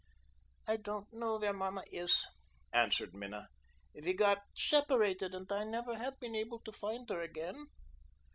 "I don't know where mamma is," answered Minna. "We got separated, and I never have been able to find her again."